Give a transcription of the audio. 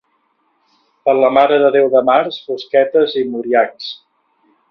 Per la Mare de Déu de març bosquetes i muriacs.